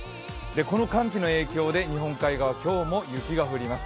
この寒気の影響で日本海側今日も雪が降ります。